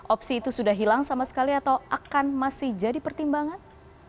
opsi itu sudah hilang sama sekali atau akan masih jadi pertimbangan